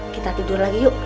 kita tidur lagi yuk